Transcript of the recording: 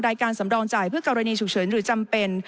การสำรองจ่ายเพื่อกรณีฉุกเฉินหรือจำเป็น